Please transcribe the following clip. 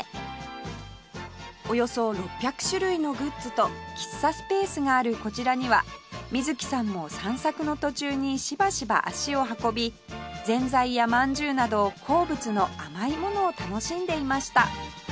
およそ６００種類のグッズと喫茶スペースがあるこちらには水木さんも散策の途中にしばしば足を運びぜんざいや饅頭など好物の甘いものを楽しんでいました